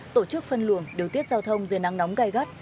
tổ chức phân luồng điều tiết giao thông dưới nắng nóng gai gắt